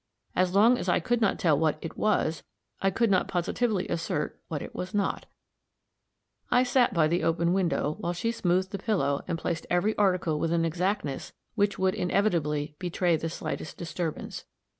As long as I could not tell what it was, I could not positively assert what it was not. I sat by the open window, while she smoothed the pillow, and placed every article with an exactness which would inevitably betray the slightest disturbance.